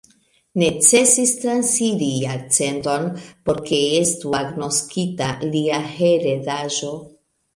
Necesis transiri jarcenton por ke estu agnoskita lia heredaĵo.